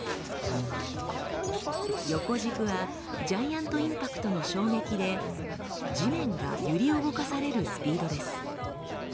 横軸はジャイアント・インパクトの衝撃で地面が揺り動かされるスピードです。